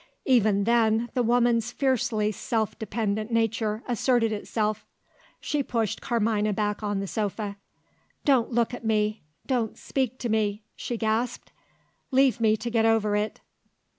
Even then, the woman's fiercely self dependent nature asserted itself. She pushed Carmina back on the sofa. "Don't look at me! don't speak to me!" she gasped. "Leave me to get over it."